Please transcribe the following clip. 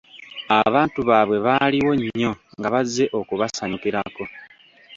Abantu baabwe baaliwo nnyo nga bazze okubasanyukirako.